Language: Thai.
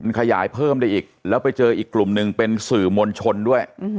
ขยายเพิ่มได้อีกแล้วไปเจออีกกลุ่มหนึ่งเป็นสื่อมวลชนด้วย